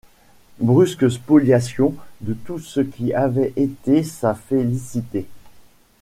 Brusque spoliation de tout ce qui avait été sa félicité!